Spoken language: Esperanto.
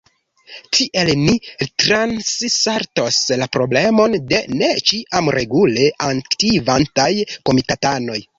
Tiel ni transsaltos la problemon de ne ĉiam regule aktivantaj komitatanoj.